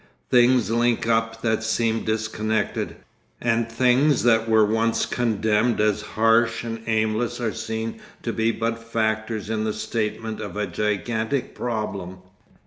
Things link up that seemed disconnected, and things that were once condemned as harsh and aimless are seen to be but factors in the statement of a gigantic problem.